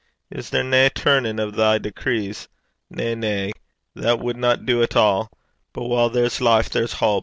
Is there nae turnin' o' thy decrees? Na, na; that wadna do at a'. But while there's life there's houp.